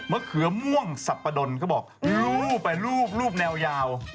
เขือม่วงสับปะดนเขาบอกลูบไปรูปแนวยาว